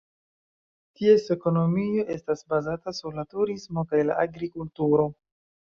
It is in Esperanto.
Ties ekonomio estas bazata sur la turismo kaj la agrikulturo.